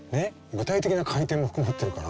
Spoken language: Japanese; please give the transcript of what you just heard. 具体的な回転も含まってるから。